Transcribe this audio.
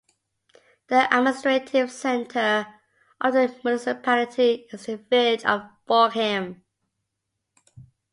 The administrative centre of the municipality is the village of Borgheim.